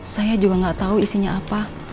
saya juga gak tau isinya apa